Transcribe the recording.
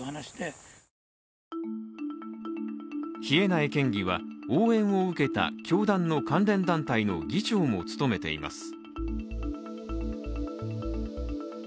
稗苗県議は、応援を受けた教団の関連団体の議長も務めています。